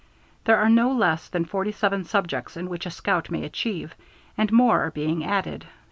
There are no less than 47 subjects in which a scout may achieve, and more are being added.